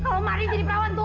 kalau marni jadi perawat tua